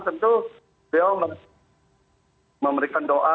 tentu dia memberikan doa